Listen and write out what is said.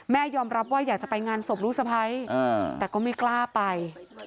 ยอมรับว่าอยากจะไปงานศพลูกสะพ้ายแต่ก็ไม่กล้าไป